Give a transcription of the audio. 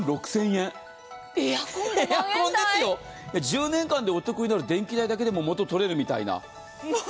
エアコンですよ、１０年間でお得になる電気代だけでも元を取れる、みたいな。